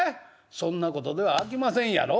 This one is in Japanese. そんなことではあきませんやろ？